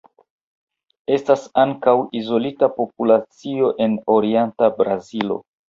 Estas ankaŭ izolita populacio en orienta Brazilo.